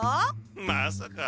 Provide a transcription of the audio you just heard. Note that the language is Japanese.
まさか。